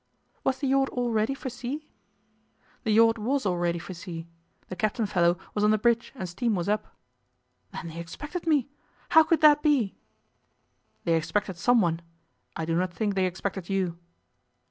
'Was the yacht all ready for sea?' 'The yacht was all ready for sea. The captain fellow was on the bridge, and steam was up.' 'Then they expected me! How could that be?' 'They expected some one. I do not think they expected you.